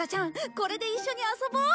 これで一緒に遊ぼう。